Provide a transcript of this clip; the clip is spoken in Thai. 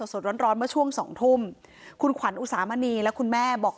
สดร้อนร้อนเมื่อช่วงสองทุ่มคุณขวัญอุสามณีและคุณแม่บอก